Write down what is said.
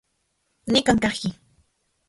Nikan kajki.